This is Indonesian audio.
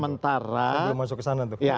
nah itu keren